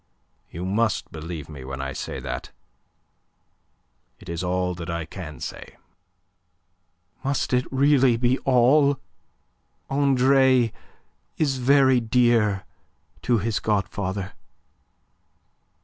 You must believe me when I say that. It is all that I can say." "Must it really be all? Andre is very dear to his godfather."